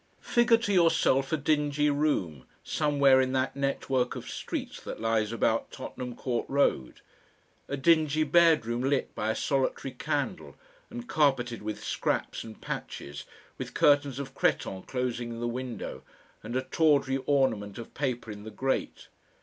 Figure to yourself a dingy room, somewhere in that network of streets that lies about Tottenham Court Road, a dingy bedroom lit by a solitary candle and carpeted with scraps and patches, with curtains of cretonne closing the window, and a tawdry ornament of paper in the grate.